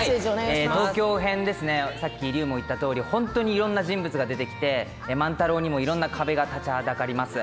東京編、さっき隆が言ったとおりいろんな人物が出てきて万太郎にもいろんな壁が立ちはだかります。